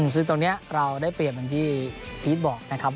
ซึ่งตรงนี้เราได้เปลี่ยนอย่างที่พีทบอกนะครับ